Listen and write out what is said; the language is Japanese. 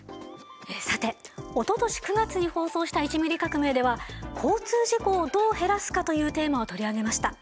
さておととし９月に放送した「１ミリ革命」では交通事故をどう減らすかというテーマを取り上げました。